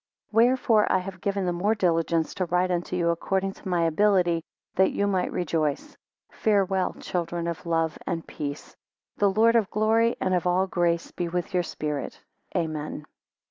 16 Wherefore I have given the more diligence to write unto you according to my ability, that you might rejoice. Farewell, children of love and peace. 17 The Lord of glory and of all grace, be with your spirit, Amen.